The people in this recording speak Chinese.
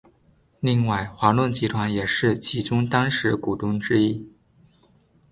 另外华润集团也是其中当时股东之一。